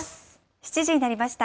７時になりました。